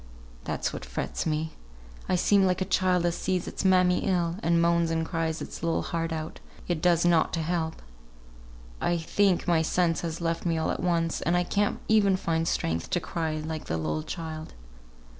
That's what frets me! I seem like a child as sees its mammy ill, and moans and cries its little heart out, yet does nought to help. I think my sense has left me all at once, and I can't even find strength to cry like the little child."